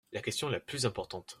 La question la plus importante.